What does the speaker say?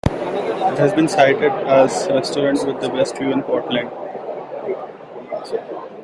It has been cited as the restaurant with the best view in Portland.